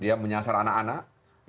dia menyasar anak anak